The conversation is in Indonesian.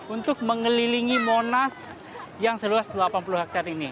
untuk mengelilingi monas yang seluas delapan puluh hektare ini